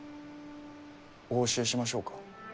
お教えしましょうか？